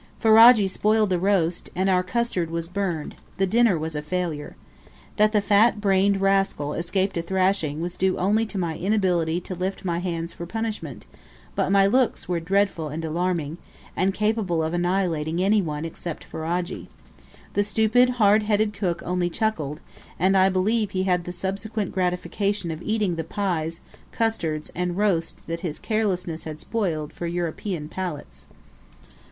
Ferajji spoiled the roast, and our custard was burned the dinner was a failure. That the fat brained rascal escaped a thrashing was due only to my inability to lift my hands for punishment; but my looks were dreadful and alarming, and capable of annihilating any one except Ferajji. The stupid, hard headed cook only chuckled, and I believe he had the subsequent gratification of eating the pies, custards, and roast that his carelessness had spoiled for European palates.